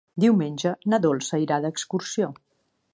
Diumenge na Dolça irà d'excursió.